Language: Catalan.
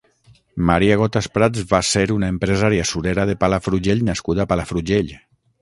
Maria Gotas Prats va ser una empresària surera de Palafrugell nascuda a Palafrugell.